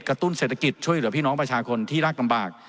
ตุ้นเศรษฐกิจช่วยเหลือพี่น้องประชาชนที่รากลำบาก